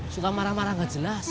suka marah marah nggak jelas